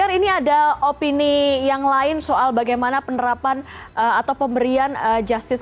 jadi ini adalah opini yang lain soal bagaimana penerapan atau pemberian justice